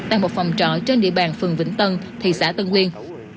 đang một phòng trọ trên địa bàn phường vĩnh tân thị xã tân uyên